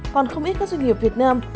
còn không ít các doanh nghiệp việt nam